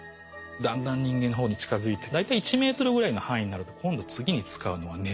だんだん人間の方に近づいて大体１ｍぐらいの範囲になると今度次に使うのが熱。